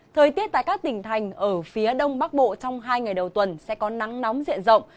thời tiết tại các tỉnh thành ở phía đông bắc bộ trong hai ngày đầu tuần sẽ có nắng nóng diện rộng